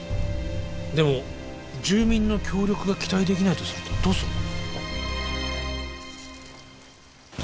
でも住民の協力が期待できないとするとどうするの？